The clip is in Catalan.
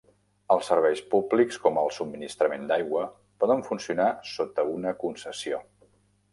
Els serveis públics com el subministrament d'aigua poden funcionar sota una concessió.